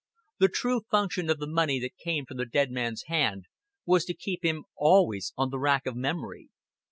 The true function of the money that came from the dead man's hand was to keep him always on the rack of memory.